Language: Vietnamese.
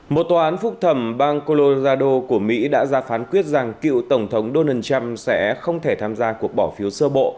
một tòa án phúc thẩm bang colorado của mỹ đã ra phán quyết rằng cựu tổng thống donald trump sẽ không thể tham gia cuộc bỏ phiếu sơ bộ